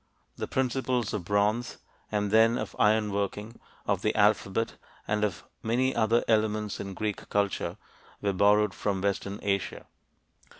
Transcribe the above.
The principles of bronze and then of iron working, of the alphabet, and of many other elements in Greek culture were borrowed from western Asia.